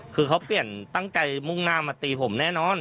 คือเขาเปลี่ยนตั้งใจมุ่งหน้ามาตีผมแน่นอน